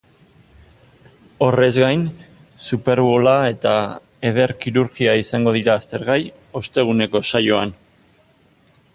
Horrez gain, superbowla eta eder-kirurgia izango dira aztergai osteguneko saioan.